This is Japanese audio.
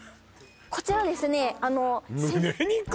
こちらですね